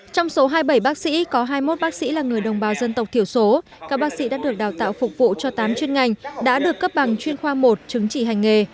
trong số hai mươi bảy bác sĩ có hai mươi một bác sĩ là người đồng bào dân tộc thiểu số các bác sĩ đã được đào tạo phục vụ cho tám chuyên ngành đã được cấp bằng chuyên khoa một chứng trị hành nghề